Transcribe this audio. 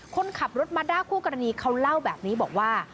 คนขับรถมัดด้าคู่กรณีเขาเล่าแบบนี้บอกว่า